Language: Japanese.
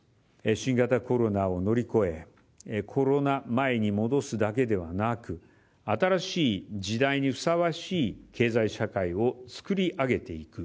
新型コロナを乗り越え、コロナ前に戻すだけではなく、新しい時代にふさわしい経済社会を作り上げていく。